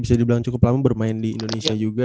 bisa dibilang cukup lama bermain di indonesia juga